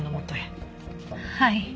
はい。